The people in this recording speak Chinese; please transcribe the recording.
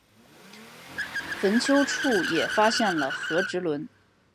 坟丘处也发现了和埴轮。